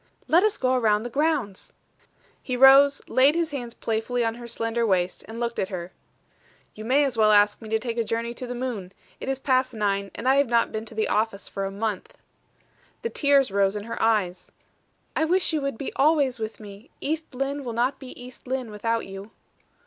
"Let us go around the grounds." He rose, laid his hands playfully on her slender waist, and looked at her. "You may as well ask me to take a journey to the moon. It is past nine, and I have not been to the office for a month." The tears rose in her eyes. "I wish you would be always with me! East Lynne will not be East Lynne without you."